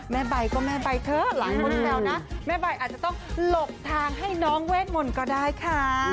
ใบก็แม่ใบเถอะหลายคนแซวนะแม่ใบอาจจะต้องหลบทางให้น้องเวทมนต์ก็ได้ค่ะ